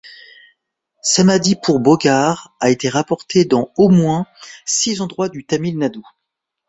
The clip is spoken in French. Samadhi pour Bogar a été rapporté dans au moins six endroits du Tamil Nadu.